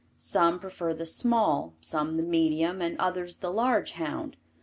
Some prefer the small, some the medium and others the large hound.